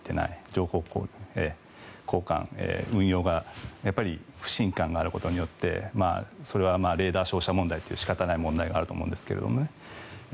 情報交換の運用がやっぱり不信感があることによってそれはレーダー照射問題という仕方ない問題があると思うんですけどね。